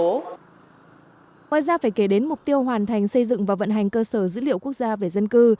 ngoài ra phải kể đến mục tiêu hoàn thành xây dựng và vận hành cơ sở dữ liệu quốc gia về dân cư